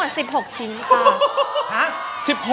ได้ทั้งหมด๑๖ชิ้นค่ะ